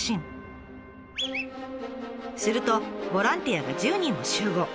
するとボランティアが１０人も集合。